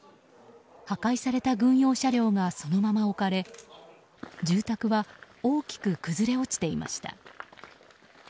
破壊された軍用車両がそのまま置かれ住宅は大きく崩れ落ちていました。